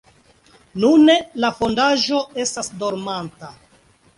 Nune, la fondaĵo estas dormanta.